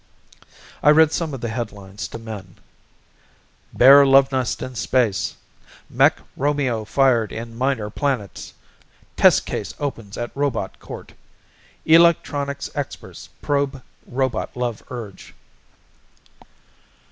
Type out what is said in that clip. I read some of the headlines to Min: "Bare Love Nest in Space ... Mech Romeo Fired by Minor Planets ... Test Case Opens at Robot Court ... Electronics Experts Probe Robot Love Urge